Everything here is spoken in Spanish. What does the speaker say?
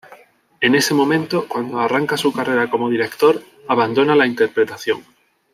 En ese momento, cuando arranca su carrera como director, abandona la interpretación.